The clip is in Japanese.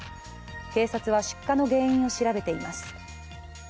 警察は出火の原因を調べています。